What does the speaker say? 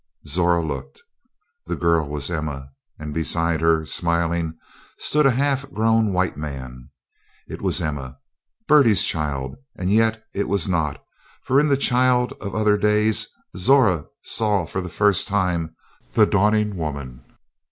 Zora looked. The girl was Emma, and beside her, smiling, stood a half grown white man. It was Emma, Bertie's child; and yet it was not, for in the child of other days Zora saw for the first time the dawning woman.